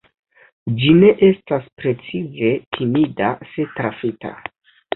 Ĝi ne estas precize timida se trafita.